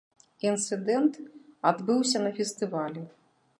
Інцыдэнт адбыўся на фестывалі.